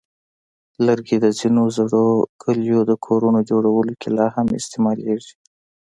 لرګي د ځینو زړو کلیو د کورونو جوړولو کې لا هم استعمالېږي.